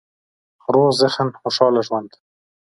روغ ذهن، خوشحاله ژوند